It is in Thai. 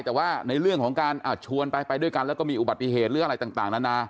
แต่ว่าในเรื่องของการชวนไปไปด้วยกันแล้วก็มีอุบัติเหตุหรืออะไรต่างนานา